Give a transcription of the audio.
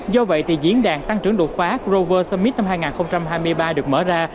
do vậy diễn đàn tăng trưởng đột phá grover summit hai nghìn hai mươi ba được mở ra